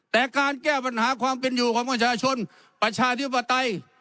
แต่การแก้ปัญหาความเป็นอยู่ของประชาชนประชาธิปไตย